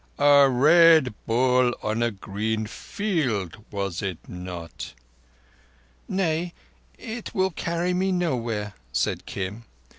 A Red Bull on a green field, was it not?" "Nay, it will carry me nowhere," said Kim.